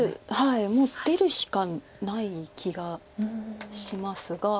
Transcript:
もう出るしかない気がしますが。